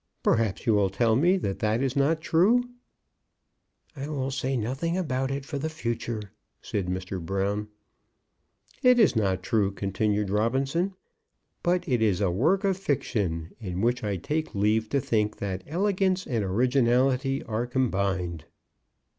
"Perhaps you will tell me that that is not true?" "I will say nothing about it for the future," said Mr. Brown. "It is not true," continued Robinson; "but it is a work of fiction, in which I take leave to think that elegance and originality are combined."